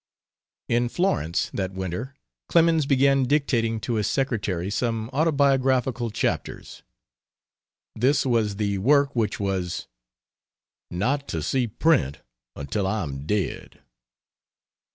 In Florence, that winter, Clemens began dictating to his secretary some autobiographical chapters. This was the work which was "not to see print until I am dead."